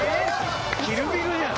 『キル・ビル』じゃん。